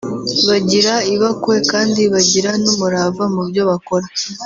bagira ibakwe kandi bagira n’umurava mu byo bakora